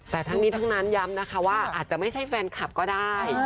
แต่ทั้งนี้ทั้งนั้นย้ำนะคะว่าอาจจะไม่ใช่แฟนคลับก็ได้